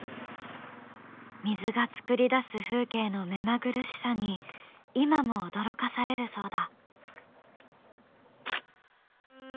水が作り出す風景の目まぐるしさに今も驚かされるそうだ。